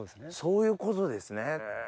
そういうことですね。